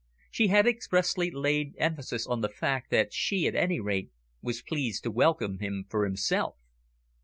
She had expressly laid emphasis on the fact that she, at any rate, was pleased to welcome him for himself.